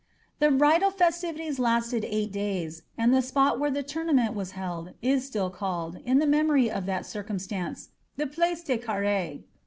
The bridal festivities lasted eight days, and the spot where the tourna ment was held, is still called, in memory of that circumstance, the Place de CarrLre.